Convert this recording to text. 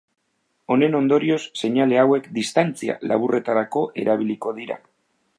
Honen ondorioz, Seinale hauek distantzia laburretarako erabiliko dira.